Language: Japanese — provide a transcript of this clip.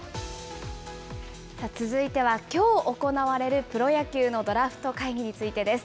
続いては、きょう行われるプロ野球のドラフト会議についてです。